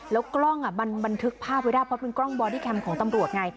แล้วกล้องมันบันทึกภาพไว้ได้เพราะเป็นกล้องบอดี้แคมป์ของตำรวจไง